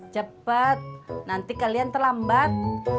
cepat nanti kalian terlambat